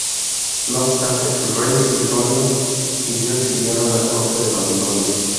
No obstante, el rey sidonio siguió exiliado en la corte de Babilonia.